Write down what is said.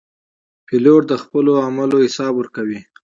پیلوټ د خپلو عملو حساب ورکوي.